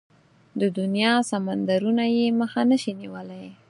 د دنيا سمندرونه يې مخه نشي نيولای.